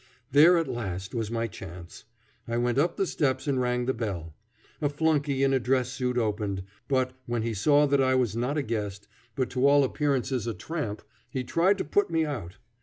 There at last was my chance. I went up the steps and rang the bell. A flunkey in a dress suit opened, but when he saw that I was not a guest, but to all appearances a tramp, he tried to put me out.